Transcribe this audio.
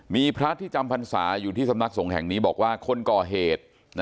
มีพระที่จำพรรษาอยู่ที่สำนักสงฆ์แห่งนี้บอกว่าคนก่อเหตุ